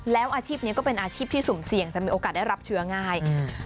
แล้วอาชีพนี้ก็เป็นอาชีพที่สุ่มเสี่ยงจะมีโอกาสได้รับเชื้อง่ายอืม